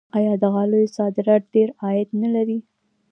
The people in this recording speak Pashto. آیا د غالیو صادرات ډیر عاید نلري؟